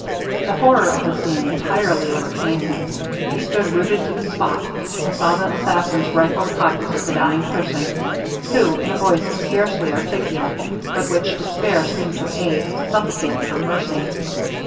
The horror of the scene entirely overcame him; he stood rooted to the spot, and saw the assassins rifle the pockets of the dying person, who, in a voice scarcely articulate, but which despair seemed to aid, supplicated for mercy.